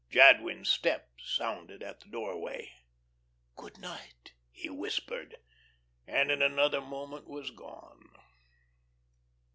Jadwin's step sounded at the doorway. "Good night," he whispered, and in another moment was gone.